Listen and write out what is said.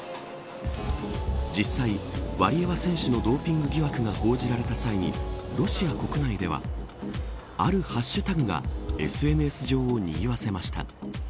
実際、ワリエワ選手のドーピング疑惑が報じられた際にロシア国内ではあるハッシュタグがＳＮＳ上をにぎわせました。